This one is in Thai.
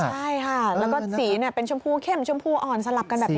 ใช่ค่ะแล้วก็สีเป็นชมพูเข้มชมพูอ่อนสลับกันแบบนี้